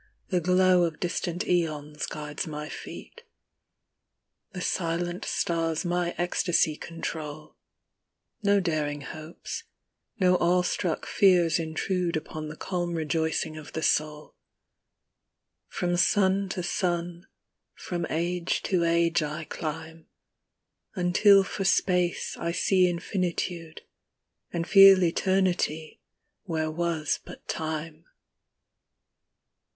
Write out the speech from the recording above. The glow of distant oeons guides my feet. The silent stars my ecstasy control ; No daring hopes, no awe struck fears intrude Upon the calm rejoicing of the soul : From sun to sun, from age to age I climb, Until for Space I see Infinitude, And feel Eternity, where was but Time.